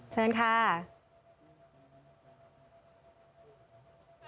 เชิญค่ะ